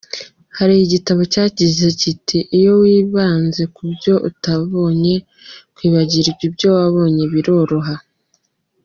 Hari igitabo cyagize kiti “iyo wibanze ku byo utabonye, kwibagirwa ibyo wabonye biroroha.